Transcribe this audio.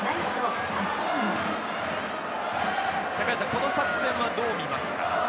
この作戦はどう見ますか？